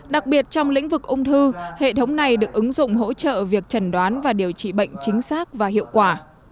đặc biệt trong lĩnh vực ung thư hệ thống này được ứng dụng hỗ trợ việc trần đoán và điều trị bệnh chính xác và hiệu quả